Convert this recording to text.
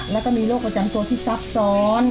แล้วก็มีโรคประจำตัวที่ซับซ้อน